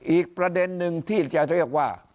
อีกประเด็นนึงที่จะเรียกว่า